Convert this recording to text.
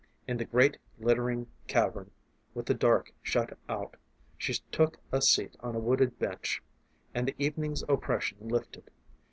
In the great glittering cavern with the dark shut out she took a seat on a wooded bench and the evening's oppression lifted.